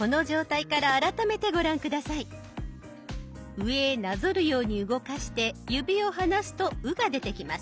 上へなぞるように動かして指を離すと「う」が出てきます。